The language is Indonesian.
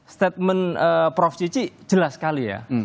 statement prof cici jelas sekali ya